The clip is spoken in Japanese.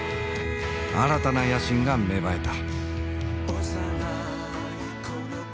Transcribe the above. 新たな野心が芽生えた。